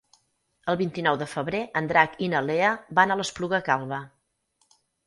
El vint-i-nou de febrer en Drac i na Lea van a l'Espluga Calba.